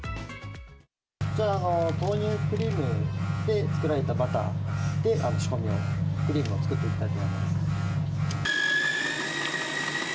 こちらは豆乳クリームで作られたバターで仕込みを、クリームを作っていきたいと思います。